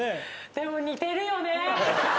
でも似てるよね。